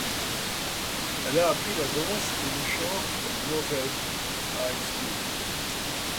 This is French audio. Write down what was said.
Elle a appris la danse et la chant au 'Moorhead High School'.